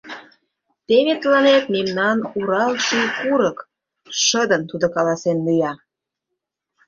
Теве тыланет мемнан Урал ший курык! — шыдын тудо каласен лӱя.